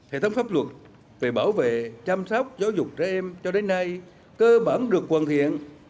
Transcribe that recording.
hệ thống pháp luật về bảo vệ chăm sóc giáo dục trẻ em cho đến nay cơ bản được hoàn thiện